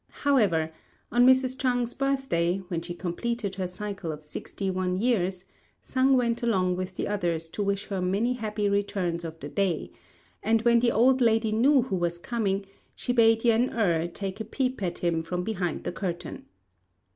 However, on Mrs. Chang's birthday, when she completed her cycle of sixty one years, Sang went along with the others to wish her many happy returns of the day; and when the old lady knew who was coming, she bade Yen êrh take a peep at him from behind the curtain.